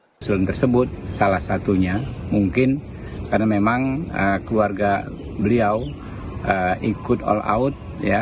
usulan tersebut salah satunya mungkin karena memang keluarga beliau ikut all out